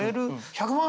１００万